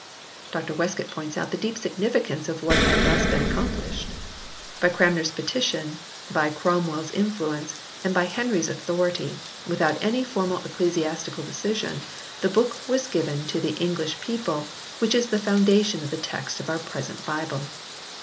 Dr Westcott points out the deep significance of what had thus been accom plished : "By Cranmer s petition, by Cromwell s influence and by Henry s authority, without any formal ecclesiastical decision, the book was given to the English people, which is the foundation of the text of our present Bible.